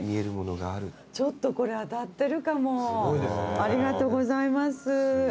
ありがとうございます。